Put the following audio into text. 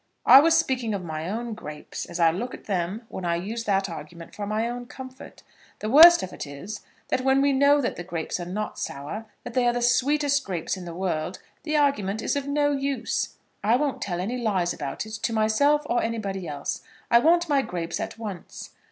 "I was speaking of my own grapes, as I look at them when I use that argument for my own comfort. The worst of it is that when we know that the grapes are not sour, that they are the sweetest grapes in the world, the argument is of no use. I won't tell any lies about it, to myself or anybody else. I want my grapes at once."